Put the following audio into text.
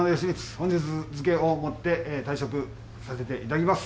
本日付をもって退職させて頂きます。